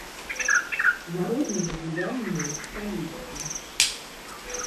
Народныя гулянні ў сталіцы.